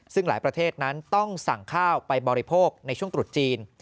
ซึ่งหลายประเทศนั้นต้องสั่งข้าวไปบริโภคในช่วงตรุษจีน